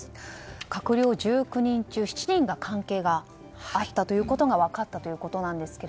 閣僚１９人中７人に関係があったということが分かったということですが